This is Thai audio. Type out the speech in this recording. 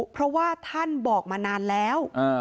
เพราะว่าท่านบอกมานานแล้ว